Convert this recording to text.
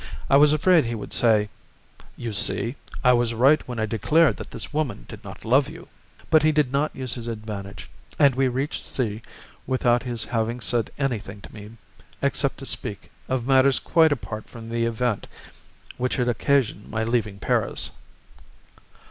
I was afraid he would say, "You see I was right when I declared that this woman did not love you." But he did not use his advantage, and we reached C. without his having said anything to me except to speak of matters quite apart from the event which had occasioned my leaving Paris.